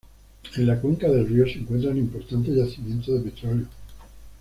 En la cuenca del río se encuentran importantes yacimientos de petróleo.